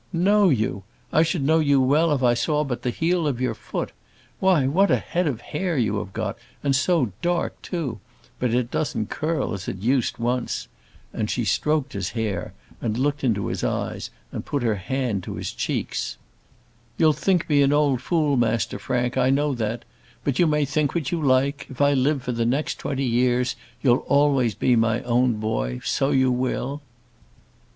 "Know you! I should know you well if I saw but the heel of your foot. Why, what a head of hair you have got, and so dark too! but it doesn't curl as it used once." And she stroked his hair, and looked into his eyes, and put her hand to his cheeks. "You'll think me an old fool, Master Frank: I know that; but you may think what you like. If I live for the next twenty years you'll always be my own boy; so you will."